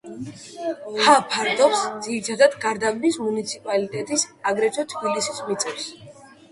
ჰა ფართობს, ძირითადად გარდაბნის მუნიციპალიტეტის, აგრეთვე თბილისის მიწებს.